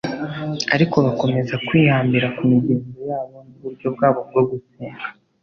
ariko bakomeza kwihambira ku migenzo yabo n’uburyo bwabo bwo gusenga.